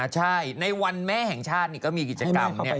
ใช่ในวันแม่แห่งชาตินี่ก็มีกิจกรรม